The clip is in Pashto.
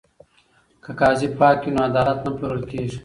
که قاضي پاک وي نو عدالت نه پلورل کیږي.